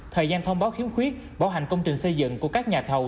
thời gian thông báo khiếm khuyết bảo hành công trình xây dựng của các nhà thầu